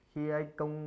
khi anh công